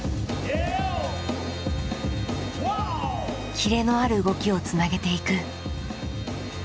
キレのある動きをつなげていく。